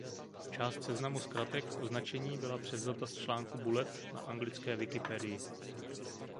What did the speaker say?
Část seznamu zkratek označení byla převzata z článku „Bullet“ na anglické wikipedii.